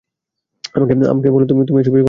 আমাকে বল তুমি এসব বিষয়ে কখনও চিন্তা করবেনা।